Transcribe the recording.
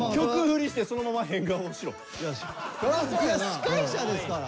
司会者ですから！